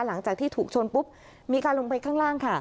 หลังจากที่ถูกชนปุ๊บมีการลงไปข้างล่างค่ะ